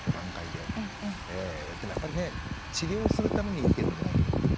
でも、やっぱり治療するために生きてるんじゃないんで。